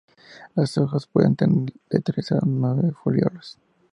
Las hojas pueden tener de tres a nueve folíolos.